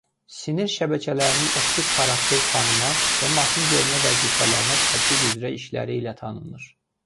Sinir şəbəkələrinin optik xarakter tanıma və maşın görmə vəzifələrinə tətbiqi üzrə işləri ilə tanınır.